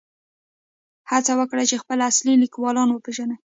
هڅه وکړئ چې خپل اصلي لیکوالان وپېژنئ.